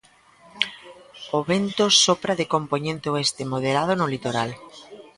O vento sopra de compoñente oeste, moderado no litoral.